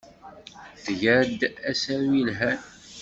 Tga-d asaru yelhan.